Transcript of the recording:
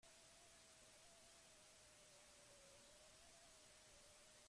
Estatuek baino, enpresek dute jendea zelatatzen.